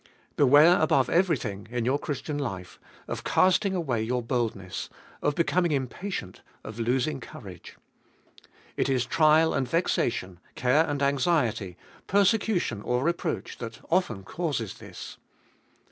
Beware above everything, in your Christian life, of casting away your boldness, of becoming impatient, of losing courage. It is trial and vexation, care and anxiety, persecution or reproach that often causes this.